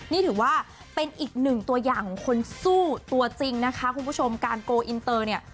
นี่ถือว่าเป็นอีกหนึ่งตัวอย่างของคนสู้ตัวจริงนะคะคุณผู้ชมการโกลอินเตอร์เนี่ย